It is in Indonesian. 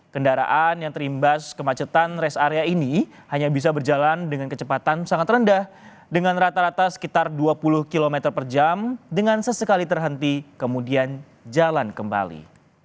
kendaraan yang terimbas kemacetan res area ini hanya bisa berjalan dengan kecepatan sangat rendah dengan rata rata sekitar dua puluh km per jam dengan sesekali terhenti kemudian jalan kembali